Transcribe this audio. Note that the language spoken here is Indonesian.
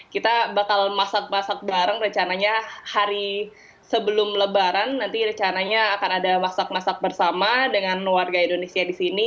kita bakal masak masak bareng rencananya hari sebelum lebaran nanti rencananya akan ada masak masak bersama dengan warga indonesia di sini